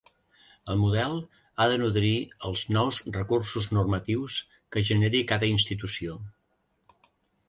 El model ha de nodrir els nous recursos normatius que generi cada institució.